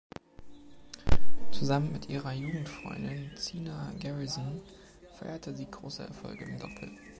Zusammen mit ihrer Jugendfreundin Zina Garrison feierte sie große Erfolge im Doppel.